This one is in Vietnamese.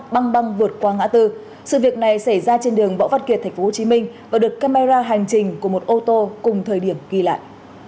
băng băng vượt qua ngã tư sự việc này xảy ra trên đường võ văn kiệt tp hcm và được camera hành trình của một ô tô cùng thời điểm ghi lại